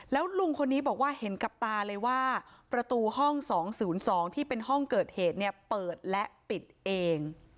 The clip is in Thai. แล้วลุงคนนี้บอกว่าเห็นกับตาเลยว่าประตูห้อง๒๐๒ที่เป็นห้องเกิดเหตุเนี่ยเปิดและปิดเอง